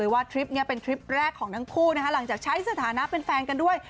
ไม่ได้ไปบ้างคืนหรอกเลย